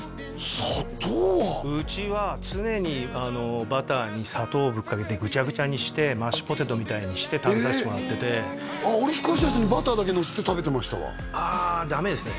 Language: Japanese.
砂糖はうちは常にバターに砂糖ぶっかけてぐちゃぐちゃにしてマッシュポテトみたいにして食べさせてもらっててああ俺ふかしたやつにバターだけのせて食べてましたわああダメですね